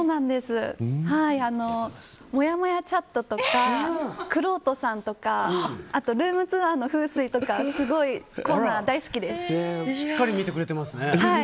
もやもやチャットとかくろうとさんとかあと、ルームツアーの風水とかしっかり見てくれてますね。